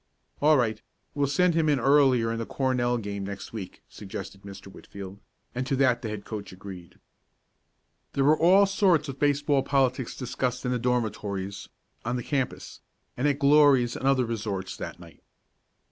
"All right, we'll send him in earlier in the Cornell game next week," suggested Mr. Whitfield, and to that the head coach agreed. There were all sorts of baseball politics discussed in the dormitories, on the campus, and at Glory's and other resorts that night.